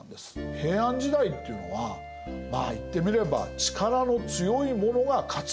平安時代っていうのはまあ言ってみれば力の強い者が勝つ。